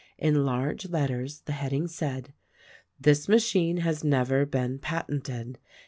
In large letters the heading said, "THIS MACHINE HAS NEVER BEEN PATENTED.